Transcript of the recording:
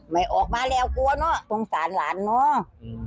ไม่ออกมาแล้วกลัวเนอะสงสารหลานเนอะ